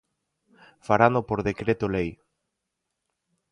Farano por decreto lei.